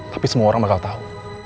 tapi semua orang bakal tahu